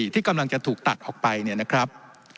ที่กำลังจะถูกตัดออกไปเนี่ยนะครับ